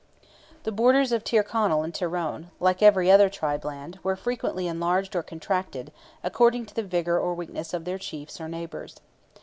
The borders of Tyrconnell and Tyrone, like every other tribe land, were frequently enlarged or contracted, according to the vigour or weakness of their chiefs or neighbours.